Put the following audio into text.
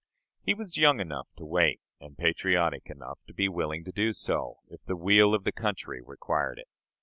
He was young enough to wait, and patriotic enough to be willing to do so, if the weal of the country required it.